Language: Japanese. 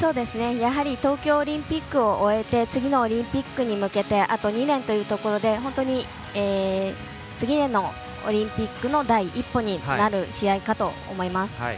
やはり東京オリンピックを終えて次のオリンピックに向けてあと２年というところで本当に次へのオリンピックの第一歩になる試合かと思います。